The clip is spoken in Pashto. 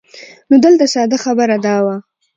نو دلته ساده خبره دا ده